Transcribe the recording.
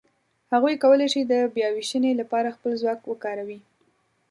هغوی کولای شي د بیاوېشنې لهپاره خپل ځواک وکاروي.